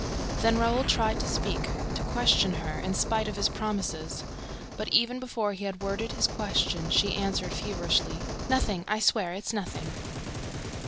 Then Raoul tried to speak, to question her, in spite of his promises. But, even before he had worded his question, she answered feverishly: "Nothing ... I swear it is nothing."